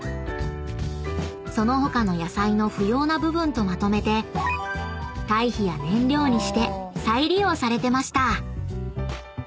［その他の野菜の不要な部分とまとめて堆肥や燃料にして再利用されてました］